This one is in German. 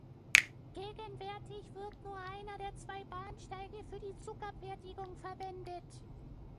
Gegenwärtig wird nur einer der zwei Bahnsteige für die Zugabfertigung verwendet.